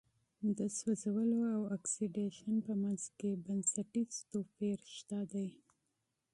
د سوځولو او اکسیدیشن په منځ کې بنسټیز توپیر شته دی.